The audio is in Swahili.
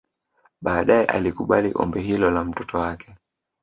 Baadaye alikubali ombi hilo la mtoto wake